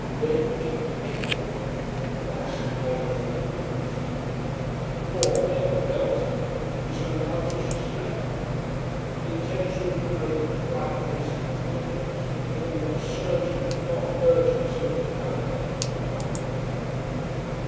Red, deep hate I felt of that symbolic old ghoul female. Poor male Beelzebub is her loutish slave. And it takes all Merlin's bright faced intelligence, and all the surging hot urgency of the Paladins, to conquer her.